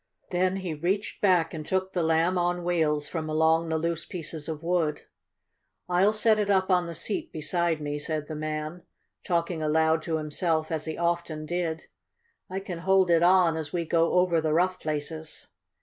Then he reached back and took the Lamb on Wheels from along the loose pieces of wood. "I'll set it up on the seat beside me," said the man, talking aloud to himself, as he often did. "I can hold it on as we go over the rough places."